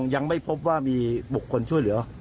ยังไม่พบว่ามีบุคคลช่วยเหลือ